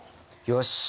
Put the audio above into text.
よし。